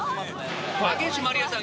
竹内まりやさん